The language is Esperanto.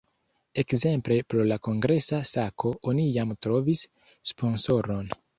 Ekzemple por la kongresa sako oni jam trovis sponsoron.